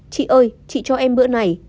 chị ơi chị cho em bữa này